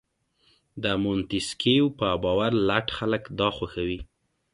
د مونتیسکیو په باور لټ خلک دا خوښوي.